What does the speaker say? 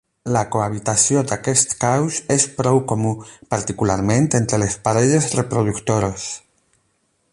La cohabitació d'aquests caus és prou comú, particularment entre les parelles reproductores.